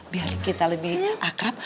biar kita lebih akrab